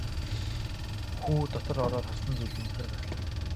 Хүү дотор ороод харсан зүйлдээ үнэхээр гайхлаа.